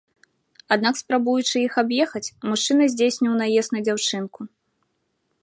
Аднак спрабуючы іх аб'ехаць, мужчына здзейсніў наезд на дзяўчынку.